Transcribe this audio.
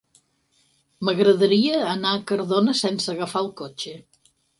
M'agradaria anar a Cardona sense agafar el cotxe.